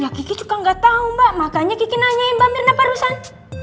ya gigi juga gak tau mbak makanya gigi nanyain mbak mirna apaan rusak